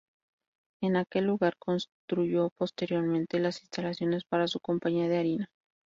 En aquel lugar, construyó posteriormente las instalaciones para su compañía de harina.